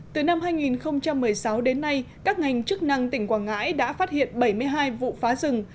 từ năm hai nghìn một mươi sáu đến nay các ngành chức năng tỉnh quảng ngãi đã phát hiện bảy mươi hai vụ phá rừng